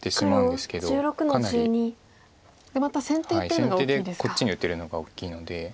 先手でこっちに打てるのが大きいので。